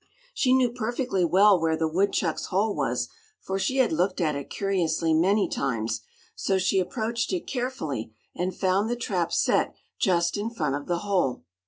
She knew perfectly well where the woodchuck's hole was, for she had looked at it curiously many times; so she approached it carefully and found the trap set just in front of the hole.